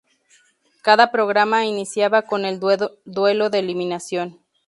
Cada programa iniciaba con el duelo de eliminación.